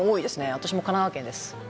私も神奈川県です。